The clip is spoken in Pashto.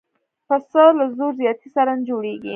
پسه له زور زیاتي سره نه جوړېږي.